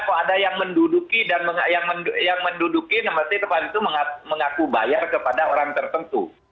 kalau ada yang menduduki dan yang menduduki berarti teman itu mengaku bayar kepada orang tertentu